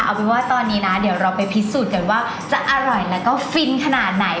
เอาเป็นว่าตอนนี้นะเดี๋ยวเราไปพิสูจน์กันว่าจะอร่อยแล้วก็ฟินขนาดไหน